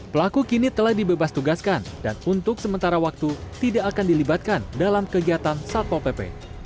pelaku kini telah dibebas tugaskan dan untuk sementara waktu tidak akan dilibatkan dalam kegiatan satpol pp